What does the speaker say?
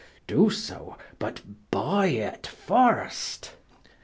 Do so, but buy it first.